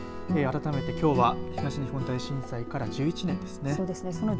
改めて、きょうは東日本大震災から１１年ですね。